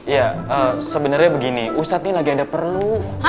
ya sebenarnya begini ustadz lagi ada perlu